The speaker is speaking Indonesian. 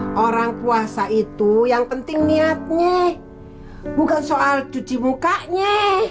kalau orang puasa itu yang penting niatnya bukan soal cuci mukanya